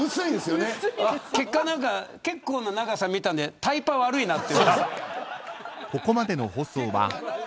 結構な長さ見たんでタイパ悪いなって。